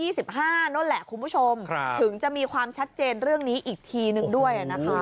นั่นแหละคุณผู้ชมถึงจะมีความชัดเจนเรื่องนี้อีกทีนึงด้วยนะคะ